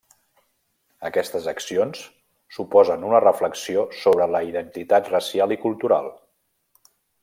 Aquestes accions suposen una reflexió sobre la identitat racial i cultural.